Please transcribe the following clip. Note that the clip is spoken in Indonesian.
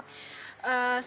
sebaiknya kita berkonsultasi